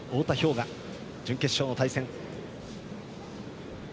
雅という準決勝の対戦。